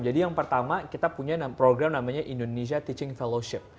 jadi yang pertama kita punya program namanya indonesia teaching fellowship